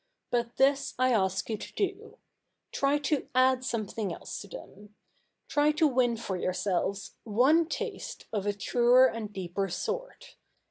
But this I do ask you to do. Try to add something else to them. Try to win for yourselves one taste of a truer and deeper sort.